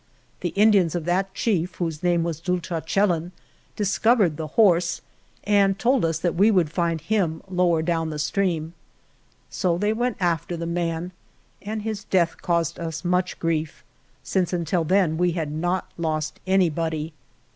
The Indians of that chief (whose name was Dulchan chellin) discovered the horse and told us that we would find him lower down the stream. So they went after the man, and 22 ALVAR NUNEZ CABEZA DE VACA his death caused us much grief, since until then we had not lost anybody.